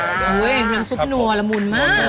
น้ำซุปนัวละมุนมาก